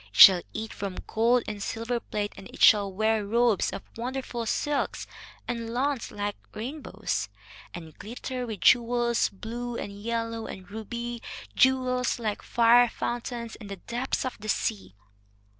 It shall eat from gold and silver plate, and it shall wear robes of wonderful silks and lawns like rainbows, and glitter with jewels, blue and yellow and ruby, jewels like fire fountains and the depths of the sea."